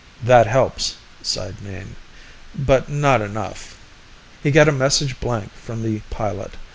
"That helps," sighed Mayne, "but not enough." He got a message blank from the pilot.